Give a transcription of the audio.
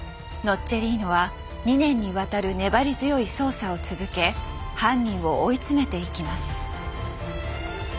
ッチェリーノは２年にわたる粘り強い捜査を続け犯人を追い詰めていきます。